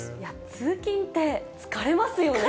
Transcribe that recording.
通勤って疲れますよね。